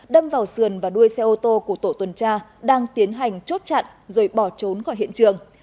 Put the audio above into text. đâm vào sườn và đuôi xe ô tô của tổ tuần tra đang tiến hành chốt chặn rồi bỏ trốn khỏi hiện trường